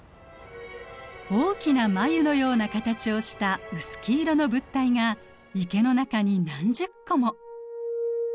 大きな繭のような形をした薄黄色の物体が池の中に何十個も。